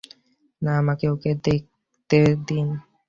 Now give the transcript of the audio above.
না, আমাকে ওকে দেখতে দিন!